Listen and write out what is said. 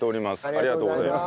ありがとうございます。